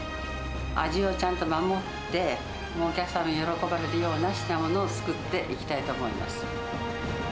味をちゃんと守って、お客様に喜ばれるような品物を作っていきたいと思います。